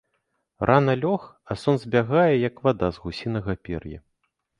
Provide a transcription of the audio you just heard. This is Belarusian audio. Рана лёг, а сон збягае, як вада з гусінага пер'я.